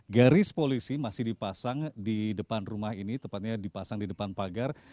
garis polisi masih dipasang di depan rumah ini tepatnya dipasang di depan pagar